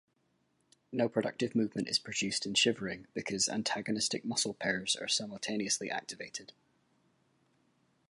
No productive movement is produced in shivering because antagonistic muscle pairs are simultaneously activated.